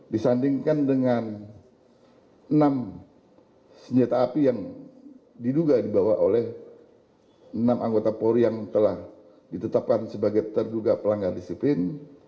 disandingkan dengan enam senjata api yang diduga dibawa oleh enam anggota polri yang telah ditetapkan sebagai terduga pelanggar disiplin